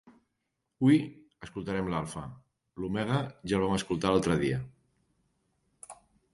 Hui escoltarem l'alfa. L'omega ja el vam escoltar l'altre dia.